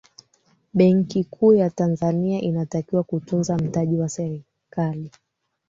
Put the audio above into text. benki kuu ya tanzani inatakiwa kutunza mtaji wa serikali